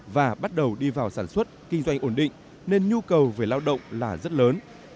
và bắt đầu đi vào sản xuất kinh doanh ổn định nên nhu cầu về lao động là rất lớn